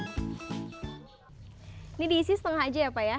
ini diisi setengah aja ya pak ya